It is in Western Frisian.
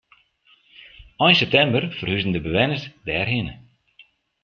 Ein septimber ferhuzen de bewenners dêrhinne.